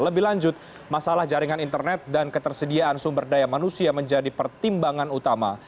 lebih lanjut masalah jaringan internet dan ketersediaan sumber daya manusia menjadi pertimbangan utama